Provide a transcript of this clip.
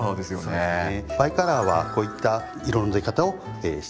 そうですね。